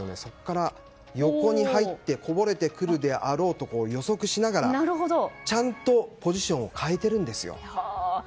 そこから横に入ってこぼれてくるであろうところを予測しながらちゃんとポジションを変えているんです。